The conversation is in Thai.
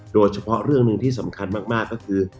โดยเฉพาะเรื่องหนึ่งที่สำคัญมากก็คือ